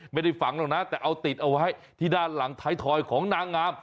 ไม่ได้ฝังหรอกนะแต่เอาติดเอาไว้ที่ด้านหลังท้ายทอยของนางงาม